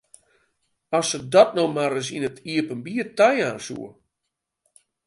As se dat no mar ris yn it iepenbier tajaan soe!